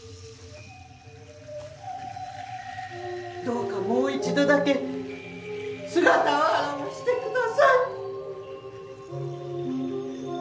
どうかもう一度だけ姿を現してください。